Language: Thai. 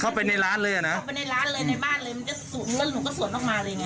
เข้าไปในร้านเลยในบ้านเลยมันจะสวนแล้วหนูก็สวนออกมาเลยไง